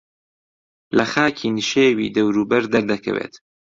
لە خاکی نشێوی دەوروبەر دەردەکەوێت